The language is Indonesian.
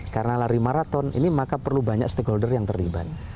karena lari maraton ini maka perlu banyak stakeholder yang terlibat